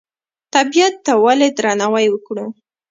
طبیعت ته ولې درناوی وکړو؟